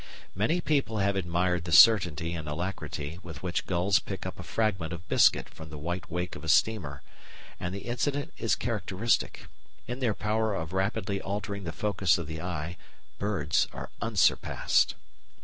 Many people have admired the certainty and alacrity with which gulls pick up a fragment of biscuit from the white wake of a steamer, and the incident is characteristic. In their power of rapidly altering the focus of the eye, birds are unsurpassed.